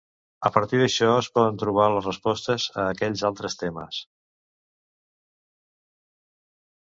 A partir d'això es poden trobar les respostes a aquells altres temes.